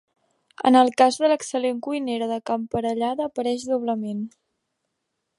En el cas de l'excel·lent cuinera de can Parellada apareix doblement.